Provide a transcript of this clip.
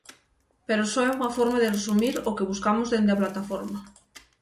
Pero só é unha forma de resumir o que buscamos dende a Plataforma.